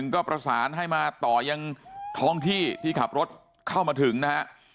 ก็ประสานให้มาต่อยังท้องที่ที่ขับรถเข้ามาถึงนะฮะ